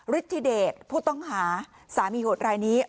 ฤทธิเดชผู้ต้องหาสามีโหดรายนี้